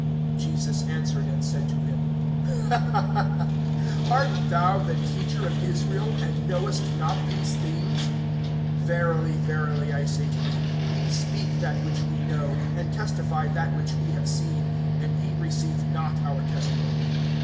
(10)Jesus answered and said to him: Art thou the teacher of Israel, and knowest not these things? (11)Verily, verily, I say to thee, we speak that which we know, and testify that which we have seen; and ye receive not our testimony.